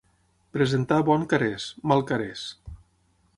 Presentar bon carés, mal carés.